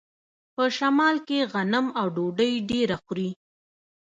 په شمال کې غنم او ډوډۍ ډیره خوري.